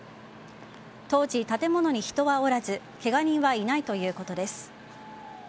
当時、建物に人はおらずケガ人はいないということです。